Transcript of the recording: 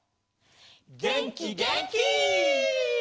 げんきげんき！